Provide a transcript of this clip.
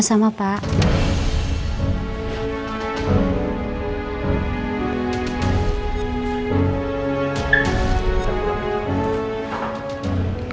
terima kasih banyak ya